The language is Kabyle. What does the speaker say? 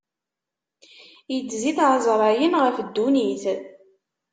Iddez-it ɛezṛayen ɣef ddunit.